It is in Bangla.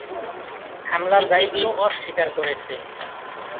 হামলার দায়িত্ব অস্বীকার করেছে।